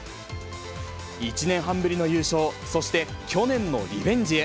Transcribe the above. １年半ぶりの優勝、そして去年のリベンジへ。